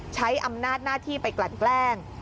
ใช้อำนาจหน้าที่ไปกลั่นแกล้ง